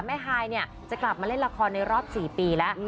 แม่ฮายจะกลับมาเล่นละครในรอบ๔ปีแล้ว